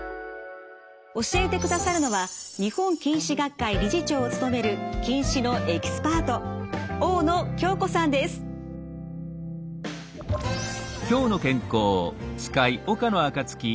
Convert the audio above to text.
教えてくださるのは日本近視学会理事長を務める近視のエキスパート大野京子さんです。